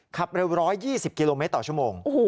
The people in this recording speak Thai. ขับเร็ว๑๒๐กิโลเมตรต่อชั่วโมง